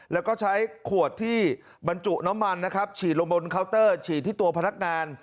แล้วก็ใช้ขวดที่บรรจุน้ำมันนะครับฉีดลงบนเคาน์เตอร์ฉีดที่ตัวพนักงาน